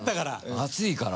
熱いから。